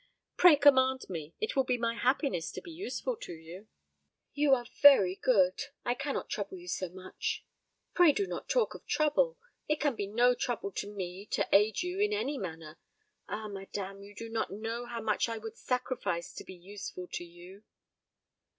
"Pray command me. It will be my happiness to be useful to you." "You are very good. I cannot trouble you so much." "Pray do not talk of trouble. It can be no trouble to me to aid you in any manner. Ah, madame, you do not know how much I would sacrifice to be useful to you!"